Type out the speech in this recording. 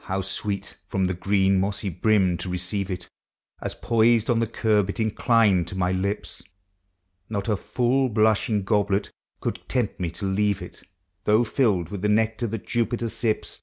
How sweet from the green mossy brim to receive it, As, poised on the curb, it inclined to my lips! Not a full blushing goblet could tempt me to leave it, Though filled with the nectar that Jupiter sips.